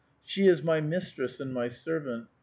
She is my mistress and my servant.